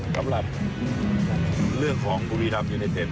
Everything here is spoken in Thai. สำหรับเรื่องของบุรีรัมยูเนเต็ด